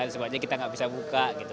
sebabnya kita tidak bisa buka